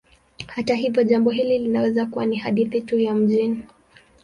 Hata hivyo, jambo hili linaweza kuwa ni hadithi tu ya mijini.